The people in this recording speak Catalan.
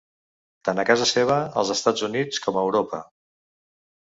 Tant a casa seva, els Estats Units, com a Europa.